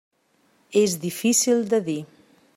És difícil de dir.